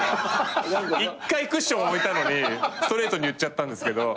１回クッション置いたのにストレートに言っちゃったんですけど。